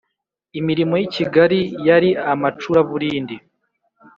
Imirimo yikigali yari amacura-burindi.